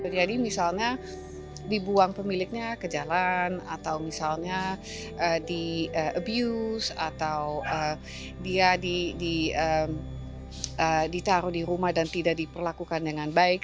jadi misalnya dibuang pemiliknya ke jalan atau misalnya di abuse atau dia ditaruh di rumah dan tidak diperlakukan dengan baik